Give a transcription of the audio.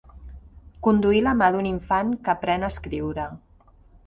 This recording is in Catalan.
Conduir la mà d'un infant que aprèn a escriure.